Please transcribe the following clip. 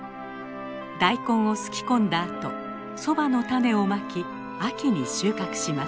ダイコンをすき込んだあとそばの種をまき秋に収穫します。